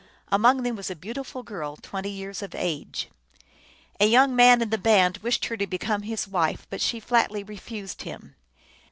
Among them was a beautiful girl, twenty years of age. A young man in the band wished her to become his wife, but she flatly refused him.